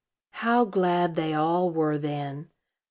How glad they all were then!